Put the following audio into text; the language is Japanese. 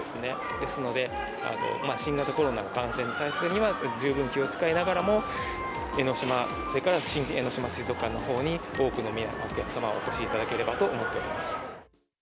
ですので、新型コロナ感染対策には十分気を遣いながらも、江の島、それから新江ノ島水族館のほうに多くのお客様にお越しいただければと思っております。